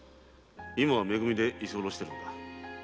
今はめ組で居候している〕